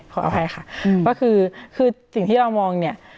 ขออภัยค่ะก็คือคือสิ่งที่เรามองเนี่ย